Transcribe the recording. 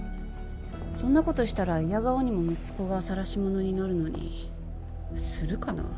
そんなことしたらいやが応にも息子がさらし者になるのにするかな？